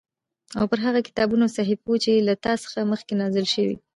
او پر هغو کتابونو او صحيفو چې له تا څخه مخکې نازل شوي